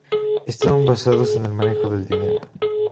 Estaban basados en el manejo del dinero.